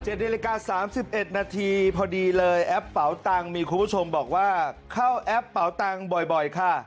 เจ็ดนิรกา๓๑นาทีพอดีเลยแอปเป๋าตังค์มีคุณผู้ชมบอกว่าเข้าแอปเป๋าตังค์บ่อยค่ะ